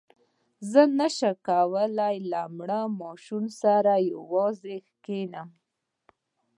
زه نه شم کولای له مړ ماشوم سره یوازې کښېنم.